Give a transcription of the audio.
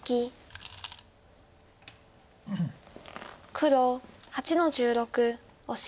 黒８の十六オシ。